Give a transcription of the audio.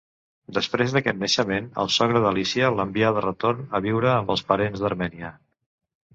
Després d'aquest naixement, el sogre d'Alícia l'envià de retorn a viure amb els parents d'Armènia.